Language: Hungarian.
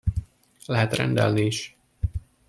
Lehet rendelni is.